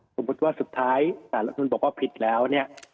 สมมุติว่าสุดท้ายสารรัฐมนุนบอกว่าผิดแล้วเนี่ย